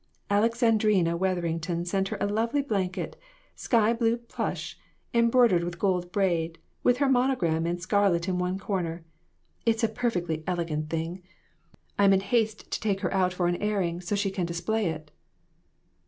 Alexandrina Wetherington sent her a lovely blanket, sky blue plush, embroid ered with gold braid, with her monogram in scar let in one corner. It's a perfectly elegant thing. 266 WITHOUT ARE DOGS. I'm in haste to take her out for an airing, so she can display it."